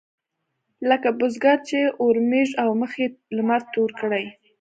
لکه بزګر چې اورمېږ او مخ يې لمر تور کړي.